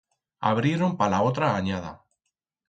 Abrieron pa la otra anyada.